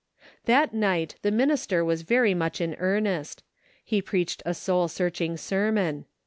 That night the minister was very much in earnest. He preached a soul searching ser mon.